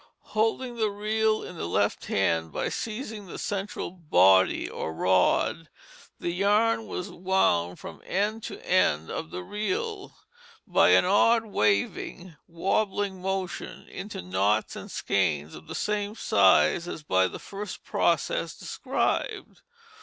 Holding the reel in the left hand by seizing the central "body" or rod, the yarn was wound from end to end of the reel, by an odd, waving, wobbling motion, into knots and skeins of the same size as by the first process described.